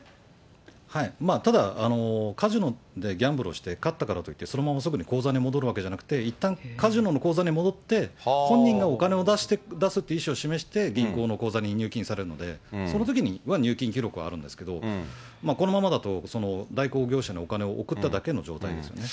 ただ、カジノでギャンブルをして勝ったからといって、そのまますぐに口座に戻るわけじゃなくて、いったん、カジノの口座に戻って、本人がお金を出すという意思を示して銀行の口座に入金されるので、そのときには入金記録はあるんですけど、このままだと代行業者のお金を送っただけの状態ですね。